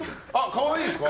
可愛いですか？